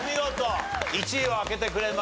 １位を開けてくれました。